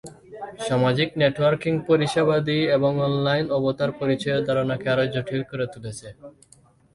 সামাজিক নেটওয়ার্কিং পরিষেবাদি এবং অনলাইন অবতার পরিচয়ের ধারণাকে আরো জটিল করে তুলেছে।